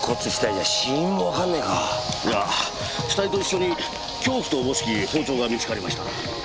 いや死体と一緒に凶器とおぼしき包丁が見つかりました。